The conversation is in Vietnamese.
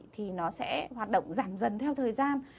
thì nó sẽ hoạt động giảm dần theo thời gian